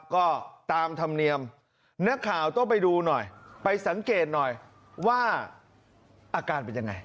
ก็ตามธรรมเนียมนักข่าวต้องไปดูหน่อยไปสังเกตหน่อยว่าอาการเป็นยังไง